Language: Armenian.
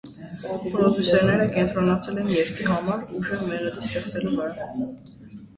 Պրոդյուսերները կենտրոնացել էին երգի համար ուժեղ մեղեդի ստեղծելու վրա։